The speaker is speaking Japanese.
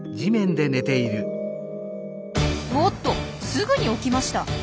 おっとすぐに起きました！